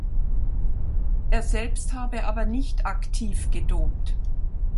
Er selbst habe aber nicht aktiv gedopt.